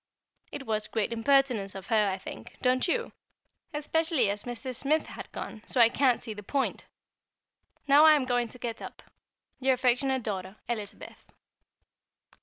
It was great impertinence of her, I think don't you? especially as Mrs. Smith had gone, so I can't see the point. Now I am going to get up. Your affectionate daughter, Elizabeth.